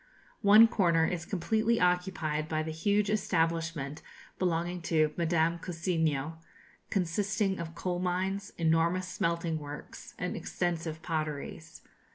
One corner is completely occupied by the huge establishment belonging to Madame Cousiño, consisting of coal mines, enormous smelting works, and extensive potteries.